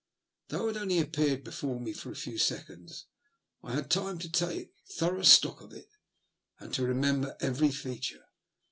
Though it only appeared before me for a few seconds, I had time to take thorough stock of it, and to remember every feature.